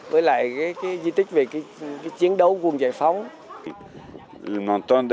và các hôtel rất tốt